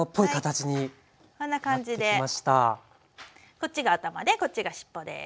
こっちが頭でこっちが尻尾です。